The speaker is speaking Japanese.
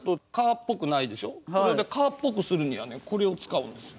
これを蚊っぽくするにはねこれを使うんですよ。